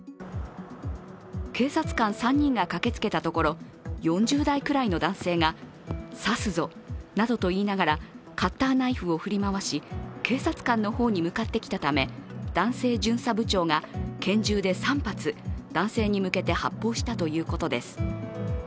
警察官３人が駆けつけたところ４０代ぐらいの男性が刺すぞなどと言いながらカッターナイフを振り回し警察官の方に向かってきたため男性巡査部長が拳銃で３発、男性に向けて発砲したということです。